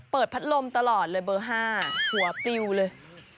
พัดลมตลอดเลยเบอร์๕หัวปลิวเลย